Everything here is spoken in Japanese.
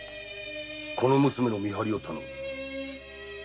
この娘の見張りを頼む。